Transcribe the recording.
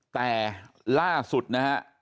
แต่ล่าสุดนะฮะ